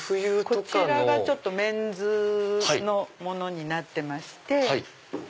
こちらがメンズのものになってまして。